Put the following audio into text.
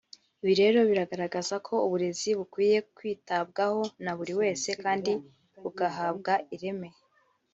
Ibi rero bigaragaza ko uburezi bukwiye kwitabwaho na buri wese kandi bugahabwa ireme